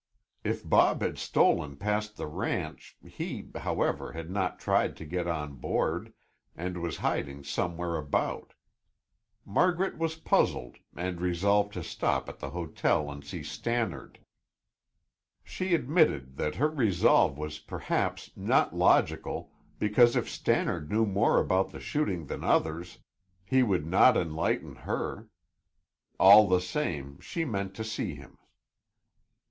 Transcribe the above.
If Bob had stolen past the ranch, he, however, had not tried to get on board and was hiding somewhere about. Margaret was puzzled and resolved to stop at the hotel and see Stannard. She admitted that her resolve was perhaps not logical, because if Stannard knew more about the shooting than others, he would not enlighten her. All the same, she meant to see him.